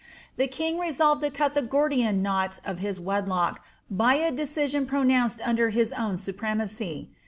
The king resolved to cut the Gordian knot of his wedlock by a decision pronounced under his own shpremacy.